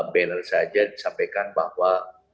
banner saja disampaikan bahwa